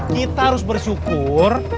kita harus bersyukur